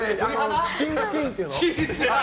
チキンスキンっていうの？